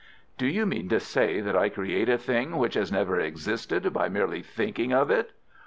"Do you mean to say that I create a thing which has never existed by merely thinking of it?"